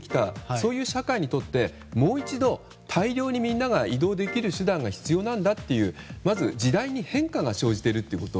そういう社会にとってもう一度、大量にみんなが移動できる手段が必要なんだと時代に変化が生じてきていること。